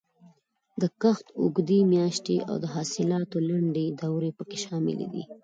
د کښت اوږدې میاشتې او د حاصلاتو لنډې دورې پکې شاملې وې.